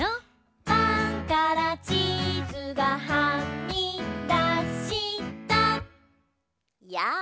「パンからチーズがはみだしたやあ」